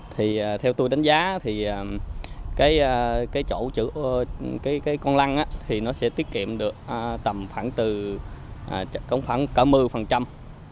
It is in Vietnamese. thì theo tôi đánh giá thì cái chỗ chữ u cái con lăn thì nó sẽ tiết kiệm được tầm khoảng từ khoảng cả mưu phần trăm